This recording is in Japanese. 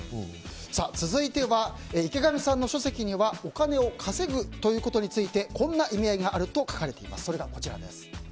続いては池上さんの書籍にはお金を稼ぐということについてこんな意味合いがあると書かれています。